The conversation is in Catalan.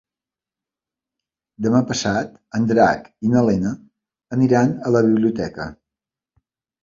Demà passat en Drac i na Lena aniran a la biblioteca.